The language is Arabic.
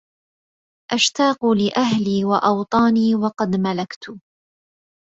أشتاق لأهلي وأوطاني وقد ملكت